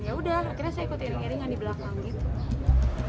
ya udah akhirnya saya ikut iring iringan di belakang gitu